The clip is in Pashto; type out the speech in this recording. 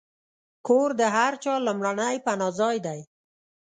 کور د هر چا لومړنی پناهځای دی.